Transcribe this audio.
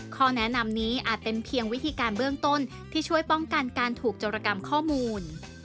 ข้อแนะนำนี้อาจเป็นเพียงวิธีการเบื้องต้นที่ช่วยป้องกันการถูกจรกรรมข้อมูล